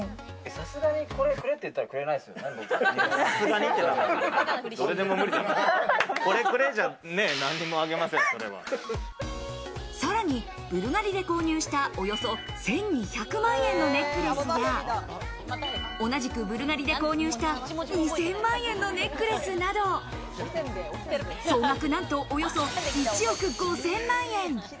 さすがにこれくれって言ったさらに、ブルガリで購入したおよそ１２００万円のネックレスや、同じくブルガリで購入した２０００万円のネックレスなど、総額なんと、およそ１億５０００万円。